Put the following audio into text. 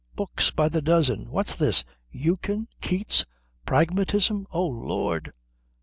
Books by the dozen. What's this? Eucken? Keats? Pragmatism? O Lord!"